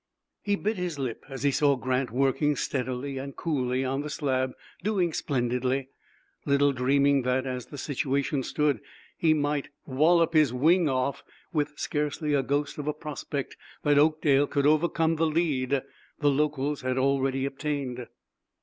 He bit his lip as he saw Grant working steadily and coolly on the slab, doing splendidly, little dreaming that, as the situation stood, he might "wallop his wing off" with scarcely a ghost of a prospect that Oakdale could overcome the lead the locals had already obtained.